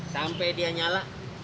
sampai dia nyala